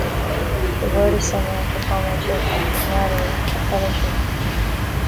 The word is similar to comradeship, camaraderie or fellowship.